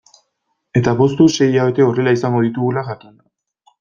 Eta poztu sei hilabete horrela izango ditugula jakinda.